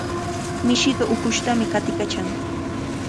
Mishiqa ukushtami qatiykachaykan.